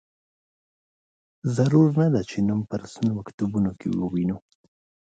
ضرور نه ده چې نوم په رسمي مکتوبونو کې ووینو.